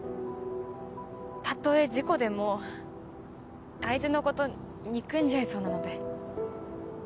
たとえ事故でも相手のこと憎んじゃいそうなので。